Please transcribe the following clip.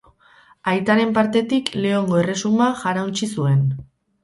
Aitaren partetik Leongo Erresuma jarauntsi zuen.